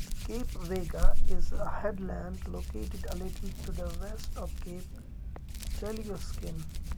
Cape Vega is a headland located a little to the west of Cape Chelyuskin.